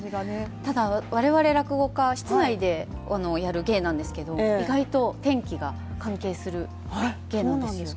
ただ我々落語家は室内でやる芸なんですけれども意外と天気が関係する芸なんですよ。